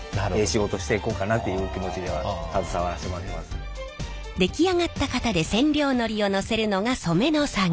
その方の仕事に出来上がった型で染料のりをのせるのが染めの作業。